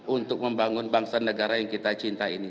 untuk membangun bangsa negara yang kita cinta ini